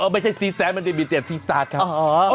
ไม่ใช่ซีแซสมันเป็นบีเตียดซีซาสครับ